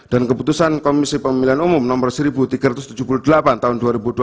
dan keputusan komisi pemilihan umum no seribu tiga ratus tujuh puluh delapan tahun dua ribu empat belas